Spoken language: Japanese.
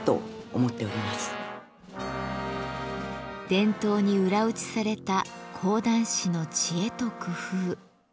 伝統に裏打ちされた講談師の知恵と工夫。